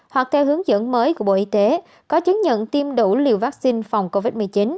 hoặc theo hướng dẫn mới của bộ y tế có chứng nhận tiêm đủ liều vaccine phòng covid một mươi chín